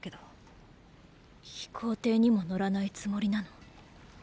飛行艇にも乗らないつもりなの？